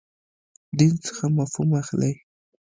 دین څخه مفهوم اخلئ.